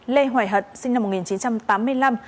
lê hoài hận sinh năm một nghìn chín trăm tám mươi năm